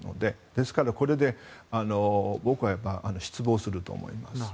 ですからこれで、多くは失望すると思います。